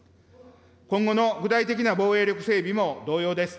今後の具体的な防衛力整備も同様です。